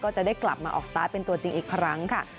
จะได้กลับมาออกสตาร์ทเป็นตัวจริงอีกครั้งค่ะ